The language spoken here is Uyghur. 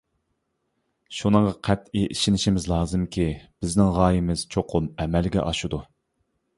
شۇنىڭغا قەتئىي ئىشىنىشىمىز لازىمكى، بىزنىڭ غايىمىز چوقۇم ئەمەلگە ئاشىدۇ.